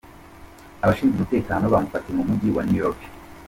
Abashinzwe umutekano bamufatiye mu Mujyi wa Saugerties i New York.